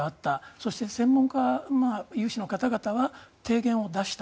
そして専門家有志の方々は提言を出した。